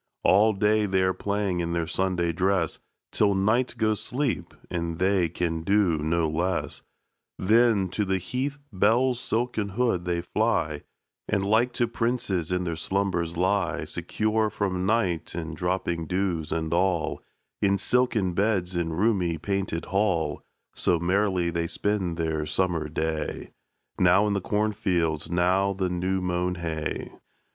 All day they're playing in their Sunday dress Till night goes sleep, and they can do no less; Then, to the heath bell's silken hood they fly, And like to princes in their slumbers lie, Secure from night, and dropping dews, and all, In silken beds and roomy painted hall. So merrily they spend their summer day, Now in the cornfields, now the new mown hay.